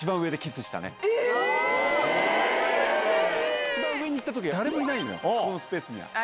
ステキ！一番上に行った時は誰もいないそこのスペースには。